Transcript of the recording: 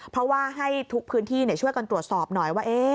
เพราะว่าให้ทุกพื้นที่ช่วยกันตรวจสอบหน่อยว่า